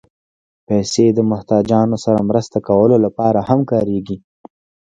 پېسې د محتاجانو سره مرسته کولو لپاره هم کارېږي.